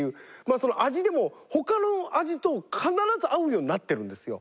味でも他の味と必ず合うようになってるんですよ。